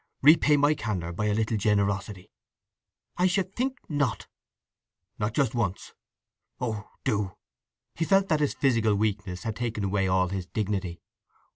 "Repay my candour by a little generosity!" "I should think not!" "Not just once?—Oh do!" He felt that his physical weakness had taken away all his dignity.